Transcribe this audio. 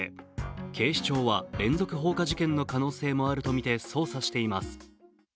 警視庁は連続放火事件の可能性もあるとみて捜査しています。